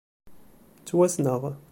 Ttwassneɣ.